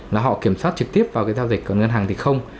là họ kiểm soát trực tiếp vào cái giao dịch của ngân hàng thì không